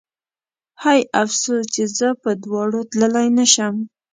هی افسوس چې زه په دواړو تللی نه شم